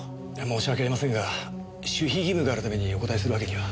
申し訳ありませんが守秘義務があるためにお答えするわけには。